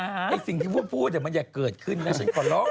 ไอ้สิ่งที่พูดมันอย่าเกิดขึ้นนะฉันขอร้อง